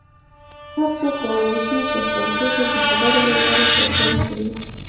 هر څوک کولی شي چې خپل فکر د خبرو له لارې څرګند کړي.